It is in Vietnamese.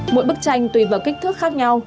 mỗi bức tranh tùy vào kích thước khác nhau